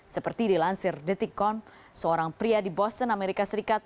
seperti dilansir detikkom seorang pria di boston amerika serikat